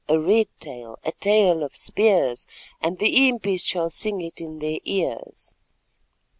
A red tale! A tale of spears, And the impis shall sing it in their ears.)